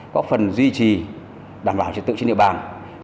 có phần duy trì đảm bảo trật tự trên địa bàn